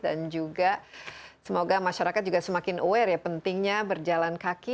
dan juga semoga masyarakat juga semakin aware ya pentingnya berjalan kaki